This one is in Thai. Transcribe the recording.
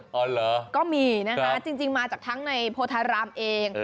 อ๋อเหรอก็มีนะคะจริงมาจากทั้งในโพธารามเอง